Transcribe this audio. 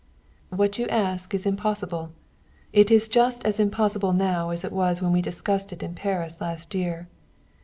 "What you ask is impossible. It is just as impossible now as it was when we discussed it in Paris last year.